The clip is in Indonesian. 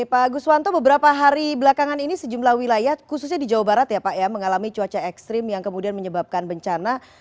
pak guswanto beberapa hari belakangan ini sejumlah wilayah khususnya di jawa barat ya pak ya mengalami cuaca ekstrim yang kemudian menyebabkan bencana